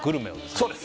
そうです！